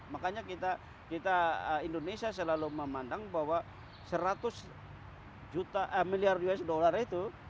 makanya kita indonesia selalu memandang bahwa seratus juta miliar usd itu